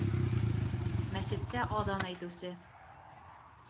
Мәсеттә аҙан әйтеүсе.